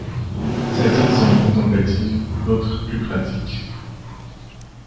Certaines sont contemplatives, d'autres plus pratiques.